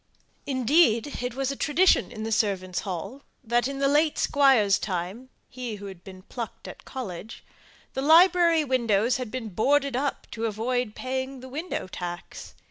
Indeed, it was a tradition in the servants' hall that, in the late squire's time he who had been plucked at college the library windows had been boarded up to avoid paying the window tax.